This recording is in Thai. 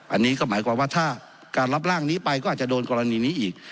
อันนี้ก็หมายความว่าถ้าการรับร่างนี้ไปก็อาจจะโดนกรณีนี้อีก